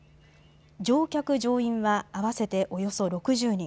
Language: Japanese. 乗客、乗員は合わせておよそ６０人。